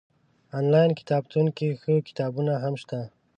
انلاين کتابتون کي ښه کتابونه هم شته